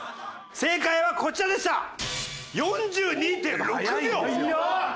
正解はこちらでした！